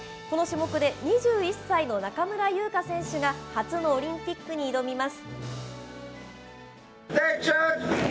この種目で２１歳の中村優花選手が、初のオリンピックに挑みます。